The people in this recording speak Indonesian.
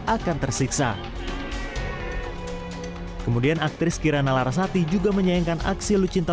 akan tersiksa kemudian aktris kirana larasati juga menyayangkan aksi lucinta